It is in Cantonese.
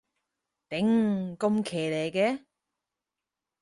頂，咁騎呢嘅